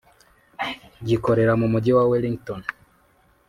gikorera mu mujyi wa Wellington